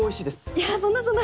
いやそんなそんな。